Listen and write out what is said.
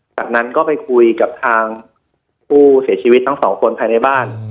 จากนั้นก็ไปคุยกับทางผู้เสียชีวิตทั้งสองคนภายในบ้าน